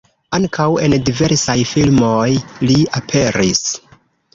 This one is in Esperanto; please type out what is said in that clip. Ankaŭ en diversaj filmoj li aperis.